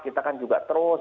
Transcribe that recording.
kita kan juga terus